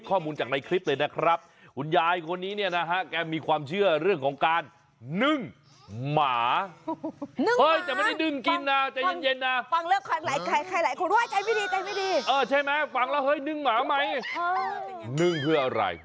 ทำไมนึ่งเพื่ออะไร